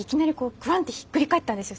グワンッてひっくり返ったんですよ